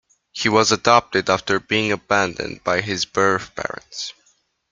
He was adopted after being abandoned by his birth parents.